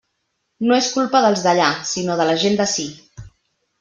No és culpa dels d'allà, sinó de la gent d'ací.